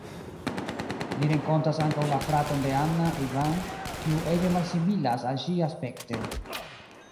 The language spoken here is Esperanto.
Ni renkontas ankaŭ la fraton de Anna, Ivan, kiu ege malsimilas al ŝi aspekte.